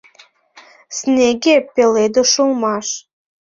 Снеге пеледыш улмаш.